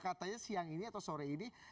katanya siang ini atau sore ini